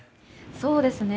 そうですね。